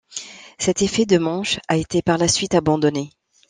Cet effet de manche a été par la suite abandonné.